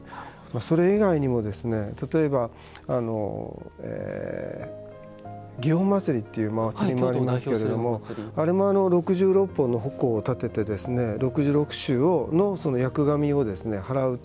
それ以外にも例えば祇園祭という祭りもありますけれどもあれも６６本の鉾を立てて６６州の厄神を祓うと。